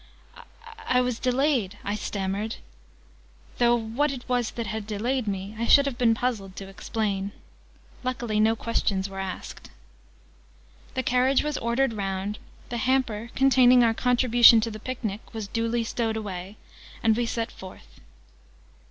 "I was delayed," I stammered. Though what it was that had delayed me I should have been puzzled to explain! Luckily no questions were asked. The carriage was ordered round, the hamper, containing our contribution to the Picnic, was duly stowed away, and we set forth.